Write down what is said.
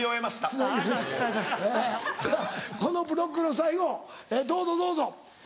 さぁこのブロックの最後どうぞどうぞ。